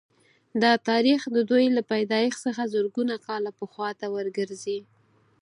دا تاریخ د دوی له پیدایښت څخه زرګونه کاله پخوا ته ورګرځي